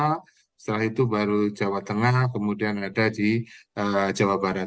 setelah itu baru jawa tengah kemudian ada di jawa barat